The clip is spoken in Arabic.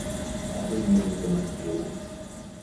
أعلمني إن سمعتَ شيئًا.